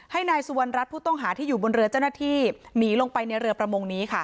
ให้นายสุวรรณรัฐผู้ต้องหาที่อยู่บนเรือเจ้าหน้าที่หนีลงไปในเรือประมงนี้ค่ะ